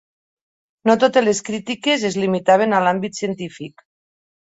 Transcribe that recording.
No totes les crítiques es limitaven a l'àmbit científic.